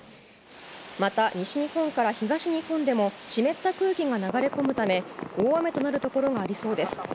また、西日本から東日本でも、湿った空気が流れ込むため、大雨となる所がありそうです。